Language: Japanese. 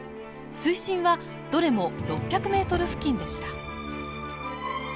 水深はどれも６００メートル付近でした。